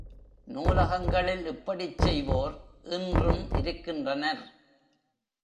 நூலகங்களில் இப்படிச் செய்வோர் இன்றும் இருக்கின்றனர்.